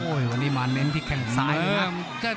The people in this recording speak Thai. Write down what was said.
โอ้ยวันนี้มาเน้นที่แข่งซ้ายนะ